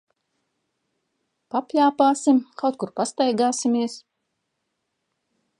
Papļāpāsim, kaut kur pastaigāsimies.